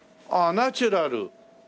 ああ「ナチュラル」。